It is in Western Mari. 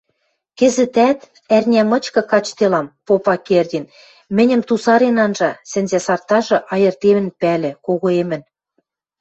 Кӹзӹтӓт ӓрня мычкы качделам, — попа Кердин, мӹньӹм тусарен анжа, сӹнзӓсартажы айыртемӹн пӓлӹ — когоэмӹн.